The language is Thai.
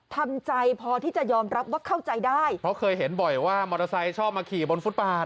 ทำใจพอที่จะยอมรับว่าเข้าใจได้เพราะเคยเห็นบ่อยว่ามอเตอร์ไซค์ชอบมาขี่บนฟุตปาด